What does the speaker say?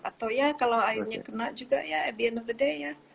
atau ya kalau airnya kena juga ya at the end of the day ya